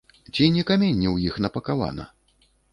Ці не каменне ў іх напакавана?